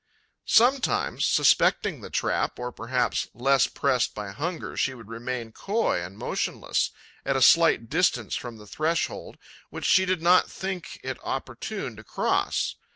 'Sometimes, suspecting the trap, or perhaps less pressed by hunger, she would remain coy and motionless, at a slight distance from the threshold, which she did not think it opportune to cross.